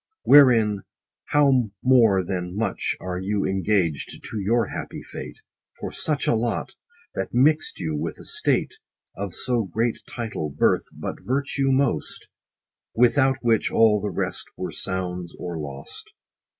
Wherein, how more than much Are you engaged to your happy fate, For such a lot ! that mixt you with a state Of so great title, birth, but virtue most, 40 Without which all the rest were sounds, or lost.